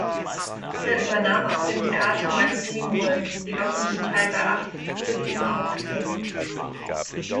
Er übernahm auf dem Theater meist Nebenrollen, jedoch in zum Teil beachteten Aufführungen.